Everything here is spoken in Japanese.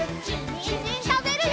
にんじんたべるよ！